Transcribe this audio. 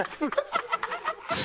ハハハハ！